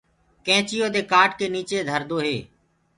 نيڪچي دي ڪآٽ ڪي نيڪچي دهردو هي۔